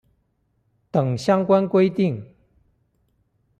等相關規定